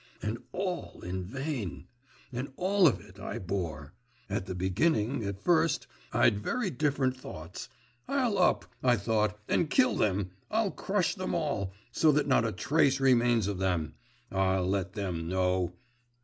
'And all in vain. And all of it I bore! At the beginning, at first, I'd very different thoughts; I'll up, I thought, and kill them. I'll crush them all, so that not a trace remains of them!… I'll let them know!